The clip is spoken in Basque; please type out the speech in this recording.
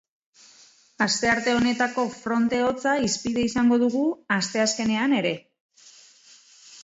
Astearte honetako fronte hotza hizpide izango dugu asteazkenean ere.